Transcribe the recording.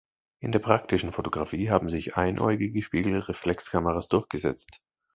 In der praktischen Fotografie haben sich einäugige Spiegelreflexkameras durchgesetzt.